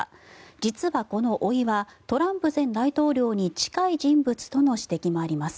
実はこのおいはトランプ前大統領に近い人物との指摘もあります。